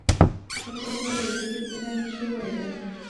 خپل خسر له وېرې یې څه نه شو ویلای.